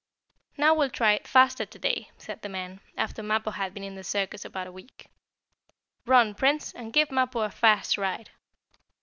"Now we'll try it faster to day," said the man, after Mappo had been in the circus about a week. "Run, Prince, and give Mappo a fast ride."